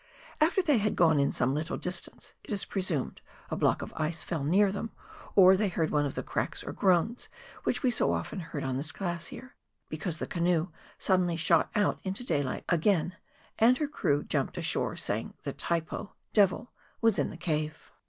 After they had gone in some little distance it is presumed a block of ice fell near them, or they heard one of the cracks or groans which we so often heard on this glacier, because the canoe suddenly shot out into daylight again, and her crew jumped ashore, saying the " Taipo " (devil) was in the cave.